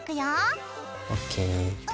ＯＫ。